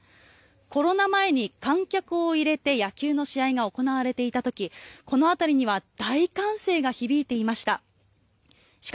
コロナ前に観客を入れて野球の試合が行われていた時この辺りには大歓声が響いていました。